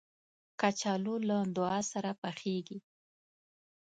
کچالو له دعا سره پخېږي